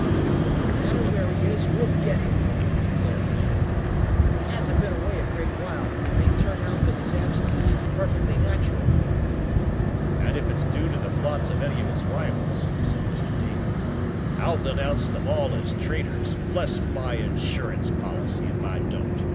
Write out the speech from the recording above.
"No matter where he is, we'll get him," declared Ned. "He hasn't been away a great while, and it may turn out that his absence is perfectly natural." "And if it's due to the plots of any of his rivals," said Mr. Damon, "I'll denounce them all as traitors, bless my insurance policy, if I don't!